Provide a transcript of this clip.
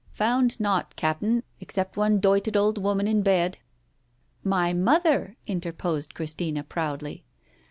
"Found naught, Cap'n, except one doited old woman in bed." " My mother !" interposed Christina proudly.